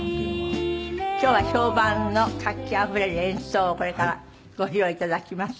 今日は評判の活気あふれる演奏をこれからご披露頂きます。